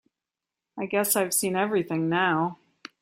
I guess I've seen everything now.